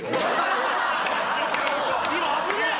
今危ねえ！